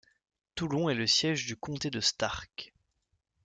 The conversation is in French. Toulon est le siège du comté de Stark.